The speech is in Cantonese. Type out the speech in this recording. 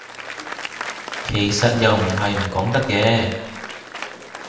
其實又唔係唔講得嘅